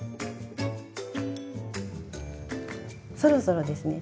そろそろですね。